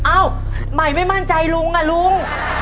เอ้าใหม่ไม่มั่นใจลุงอ่ะลุง